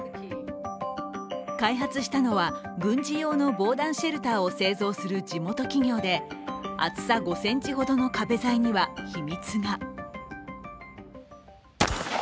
開発したのは軍事用の防弾シェルターを製造する地元企業で厚さ５ｃｍほどの壁材には秘密が。